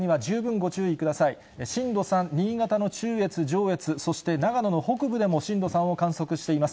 震度３、新潟の中越、上越、そして長野の北部でも震度３を観測しています。